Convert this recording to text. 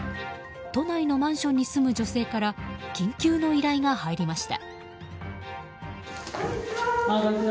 都内のマンションに住む女性から緊急の依頼が入りました。